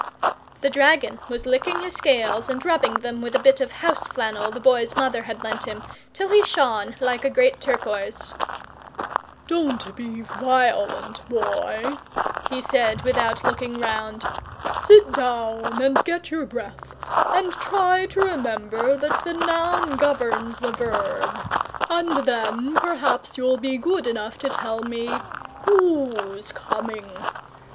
The dragon was licking his scales and rubbing them with a bit of house flannel the Boy's mother had lent him, till he shone like a great turquoise. "Don't be VIOLENT, Boy," he said without looking round. "Sit down and get your breath, and try and remember that the noun governs the verb, and then perhaps you'll be good enough to tell me WHO'S coming?"